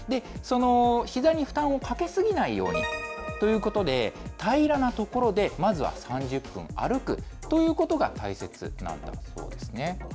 ひざに負担をかけ過ぎないようにということで、平らな所でまずは３０分歩くということが大切なんだそうですね。